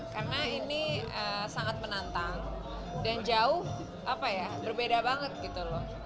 karena ini sangat menantang dan jauh apa ya berbeda banget gitu loh